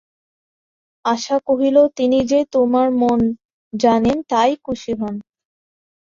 আশা কহিল, তিনি যে তোমার মন জানেন, তাই খুশি হন।